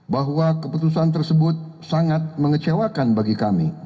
bahwa keputusan tersebut sangat mengecewakan bagi kami